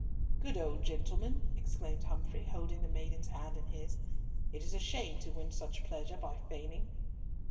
"Good old gentleman!" exclaimed Humfrey, holding the maiden's hand in his. "It is a shame to win such pleasure by feigning."